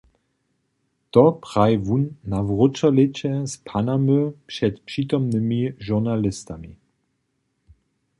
To praji wón na wróćolěće z Panamy před přitomnymi žurnalistami.